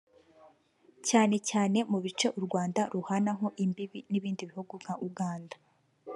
cyane cyane mu bice u Rwanda ruhanaho imbibi n’ibindi bihugu nka Uganda